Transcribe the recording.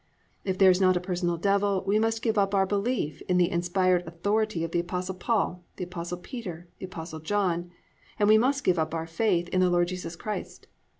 If there is not a personal Devil we must give up our belief in the inspired authority of the Apostle Paul, the Apostle Peter, the Apostle John, and we must give up our faith in the Lord Jesus Christ.